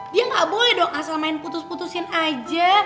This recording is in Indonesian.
dia nggak boleh dong asal main putus putusin aja